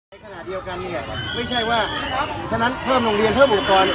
ไม่ใช่ว่าเพิ่มโรงเรียนเพิ่มอุปกรณ์